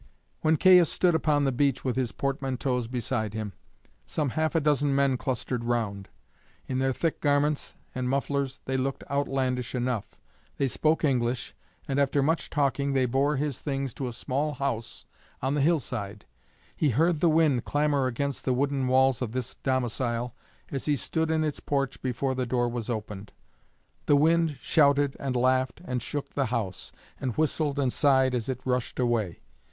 When Caius stood upon the beach with his portmanteaus beside him, some half a dozen men clustered round; in their thick garments and mufflers they looked outlandish enough. They spoke English, and after much talking they bore his things to a small house on the hillside. He heard the wind clamour against the wooden walls of this domicile as he stood in its porch before the door was opened. The wind shouted and laughed and shook the house, and whistled and sighed as it rushed away.